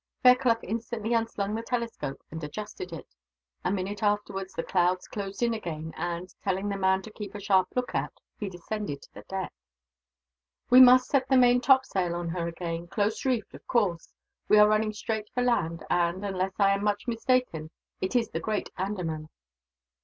Fairclough instantly unslung the telescope, and adjusted it. A minute afterwards the clouds closed in again and, telling the man to keep a sharp lookout, he descended to the deck. "We must set the main top sail on her again, close reefed, of course. We are running straight for land and, unless I am much mistaken, it is the great Andaman.